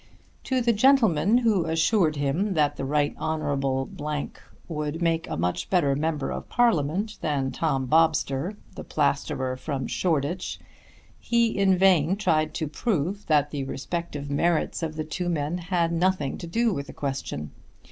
To the gentleman who assured him that the Right Honble. would make a much better member of Parliament than Tom Bobster the plasterer from Shoreditch he in vain tried to prove that the respective merits of the two men had nothing to do with the question.